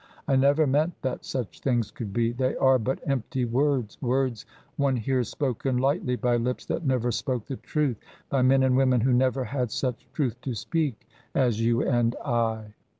I never meant that such things could be they are but empty words, words one hears spoken lightly by lips that never spoke the truth, by men and women who never had such truth to speak as you and I."